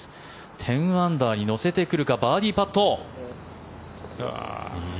１０アンダーに乗せてくるかバーディーパット。